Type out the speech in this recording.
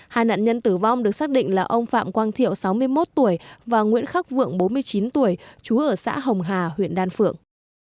hai nạn nhân tử vong được xác định là ông phạm quang thiệu sáu mươi một tuổi và nguyễn khắc vượng bốn mươi chín tuổi chú ở xã hồng hà huyện đan phượng